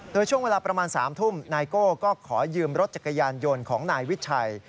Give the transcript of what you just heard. โดยช่วงเวลาประมาณ๓ทุ่มนายโก้ก็ขอยืมรถจักรยานยนต์ของนายวิชัย